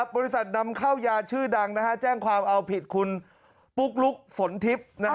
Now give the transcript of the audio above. บริษัทนำเข้ายาชื่อดังแจ้งความเอาผิดคุณปุ๊กลุ๊กฝนทิพย์